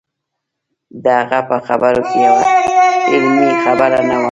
د هغه په خبرو کې یوه هم علمي خبره نه وه.